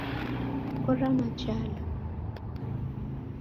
Kora majala.